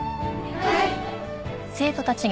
はい。